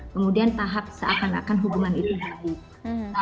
kemudian tahap seakan akan hubungan itu baik